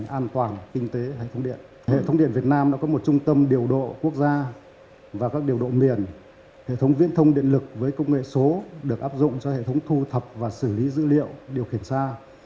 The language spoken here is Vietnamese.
hệ thống viên thông điện lực với công nghệ số được áp dụng cho hệ thống thu thập và xử lý dữ liệu điều khiển xa